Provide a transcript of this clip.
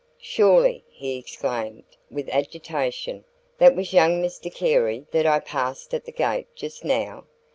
"Surely," he exclaimed, with agitation, "that was young Mr Carey that I passed at the gate just now?